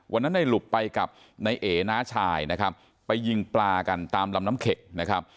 วันนั้นได้หลุบไปกับนัยเอ๋น้าชายไปยิงปลากันตามลำน้ำเข็ก